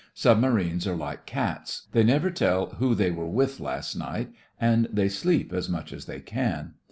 Sub marines are like cats. They never tell "who they were with last night," and they sleep as much as they can.